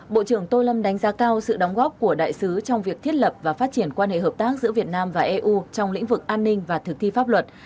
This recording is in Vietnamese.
bộ trưởng tô lâm đánh giá cao sự đóng góp của đại sứ trong việc thiết lập và phát triển quan hệ hợp tác giữa việt nam và eu trong lĩnh vực an ninh và thực thi pháp luật